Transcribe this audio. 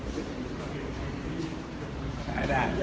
ขอบคุณครับ